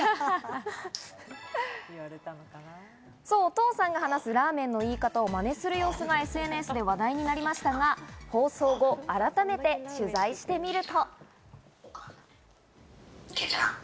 お父さんが話す「ラーメン」の言い方をマネする様子がＳＮＳで話題になりましたが、放送後、改めて取材してみると。